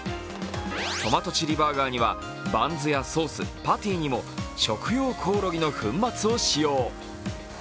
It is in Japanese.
トマトチリバーガーにはバンズやソース、パティにも食用コオロギの粉末を使用。